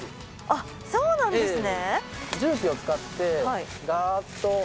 あっそうなんですね。